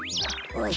おい。